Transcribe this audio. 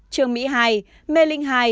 trường mỹ hai mê linh hai